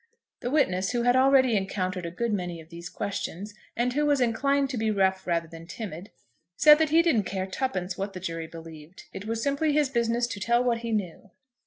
The witness, who had already encountered a good many of these questions, and who was inclined to be rough rather than timid, said that he didn't care twopence what the jury believed. It was simply his business to tell what he knew.